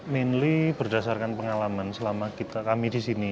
mainly berdasarkan pengalaman selama kami di sini